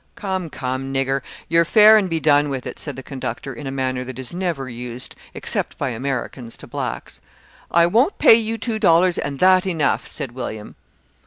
"Come, come, nigger, your fare and be done with it," said the conductor, in a manner that is never used except by Americans to blacks. "I won't pay you two dollars, and that enough," said William.